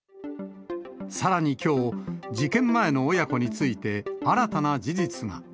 さらにきょう、事件前の親子について、新たな事実が。